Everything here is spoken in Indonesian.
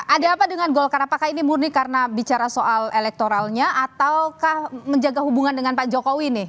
ada apa dengan golkar apakah ini murni karena bicara soal elektoralnya ataukah menjaga hubungan dengan pak jokowi nih